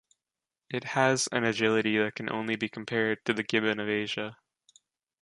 It has an agility that can only be compared to the gibbon of Asia.